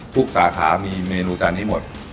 สาขามีเมนูจานนี้หมด